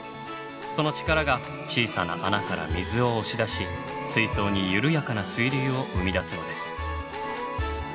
その力が小さな穴から水を押し出し水槽に緩やかな水流を生み出すのです。